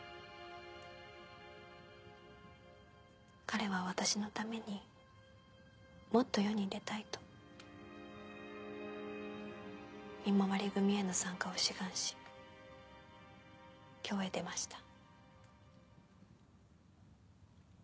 彼は私のためにもっと世に出たいと見廻組への参加を志願し京へ出ました。